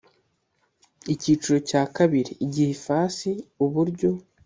Icyiciro cya kabiri Igihe Ifasi Uburyo